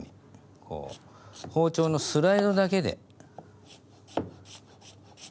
こう包丁のスライドだけで。